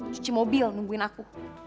cuci mobil nungguin aku